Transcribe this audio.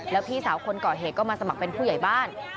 แล้วพี่สาวคนก่อเหตุก็มาสมัครเป็นผู้ใหญ่บ้าน